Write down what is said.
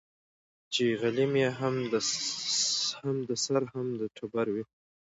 چي غلیم یې هم د سر هم د ټبر وي